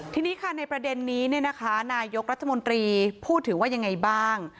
ทีนี้ค่ะในประเด็นนี้นายกรัฐมนตรีพูดถึงว่ายังไงบ้าง